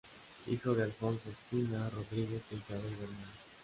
Hijo de Alfonso Ospina Rodríguez e Isabel Bernal.